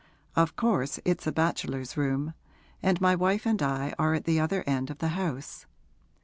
Of course it's a bachelor's room, and my wife and I are at the other end of the house.